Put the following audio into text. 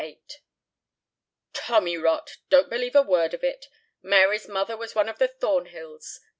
VIII "Tommy rot. Don't believe a word of it. Mary's mother was one of the Thornhills.